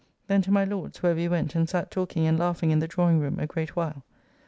Then to my Lord's, where we went and sat talking and laughing in the drawing room a great while.